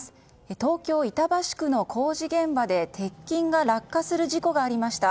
東京・板橋区の工事現場で鉄筋が落下する事故がありました。